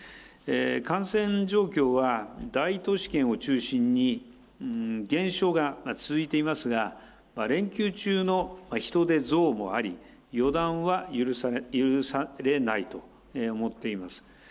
感染状況は、大都市圏を中心に、減少が続いていますが、連休中の人出増もあり、予断は許されないと思っています。